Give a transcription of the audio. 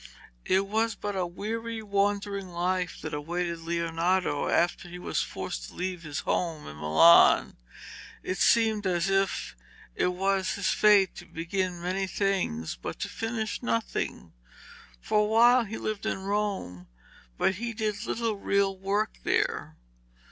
It was but a weary wandering life that awaited Leonardo after he was forced to leave his home in Milan. It seemed as if it was his fate to begin many things but to finish nothing. For a while he lived in Rome, but he did little real work there.